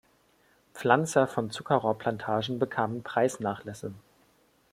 Pflanzer von Zuckerrohrplantagen bekamen Preisnachlässe.